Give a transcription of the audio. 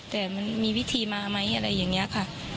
แต่มันมีวิธีมาไหมอะไรอย่างนี้ค่ะ